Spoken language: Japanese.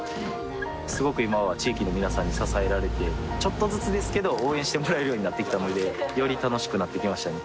すごく今は地域の皆さんに支えられてちょっとずつですけど応援してもらえるようになってきたのでより楽しくなってきましたね